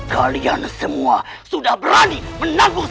kalian sudah berani memilih itu berarti